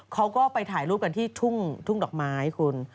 เขาก็ไปถ่ายรูปกันที่ทุ่งดอกไม้คุณ